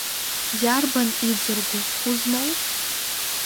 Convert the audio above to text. Иарбан иӡырго, хәы змоу?